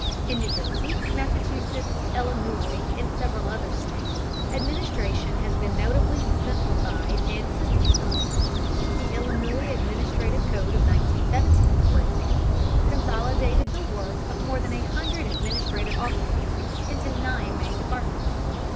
In New Jersey, Massachusetts, Illinois, and several other states, administration has been notably simplified and systematized. The Illinois Administrative Code of 1917, for example, consolidated the work of more than a hundred administrative offices into nine main departments.